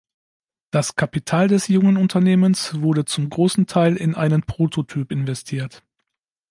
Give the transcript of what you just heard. Das Kapital des jungen Unternehmens wurde zum großen Teil in einen Prototyp investiert.